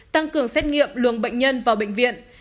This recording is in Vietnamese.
tăng cường xét nghiệm luồng bệnh nhân vào bệnh viện